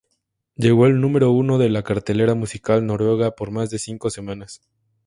Llegó al número uno de la cartelera musical noruega por más de cinco semanas.